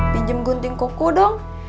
pinjem gunting kuku dong